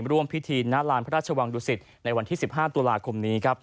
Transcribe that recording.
ร่วมพิธีน๊ารามพระราชวังดุสิตในวันที่๑๕ตัวลาคม